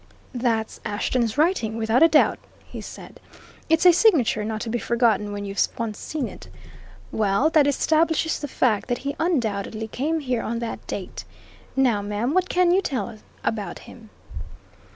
"That's Ashton's writing, without a doubt," he said. "It's a signature not to be forgotten when you've once seen it. Well, that establishes the fact that he undoubtedly came here on that date. Now, ma'am, what can you tell about him?"